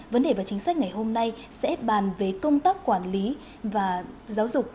vấn đề và chính sách ngày hôm nay sẽ bàn về công tác quản lý và giáo dục